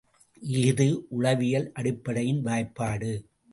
இஃது உளவியல் அடிப்படையின் வாய்ப்பாடு.